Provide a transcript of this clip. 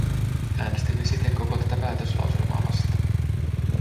Äänestimme siten koko tätä päätöslauselmaa vastaan.